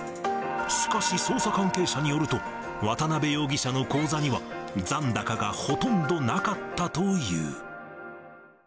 しかし、捜査関係者によると、渡辺容疑者の口座には、残高がほとんどなかったという。